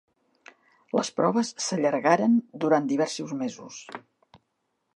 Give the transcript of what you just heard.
Les proves s'allargaren durant diversos mesos.